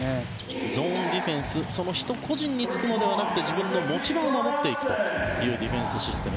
ゾーンディフェンスその人個人につくのではなくて自分の持ち場を守っていくというディフェンスシステム。